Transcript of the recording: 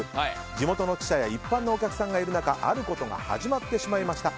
地元の記者や一般のお客さんがいる中あることが始まってしまいました。